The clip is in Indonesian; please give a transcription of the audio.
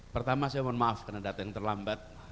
pertama saya mohon maaf karena datang terlambat